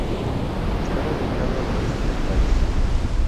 Está ubicado al oeste del país.